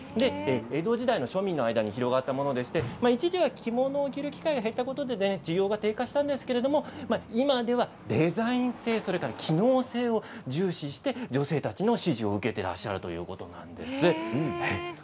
江戸時代の庶民の間に広まったもので一時は着物を着る機会が減ったことで需要が低下したんですが今ではデザイン性と機能性を重視して女性たちの支持を受けているということなんです。